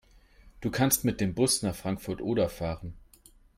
Du kannst mit dem Bus nach Frankfurt (Oder) fahren